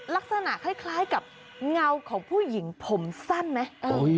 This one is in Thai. ลักษณะคล้ายกับเงาของผู้หญิงผมสั้นไหม